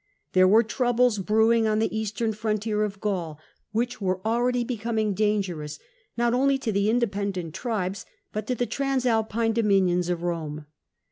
There were troubles brewing on the eastern frontier of Gaul which were already becoming dangerous, not only to the independent tribes, but to the Transalpine dominions of Rome.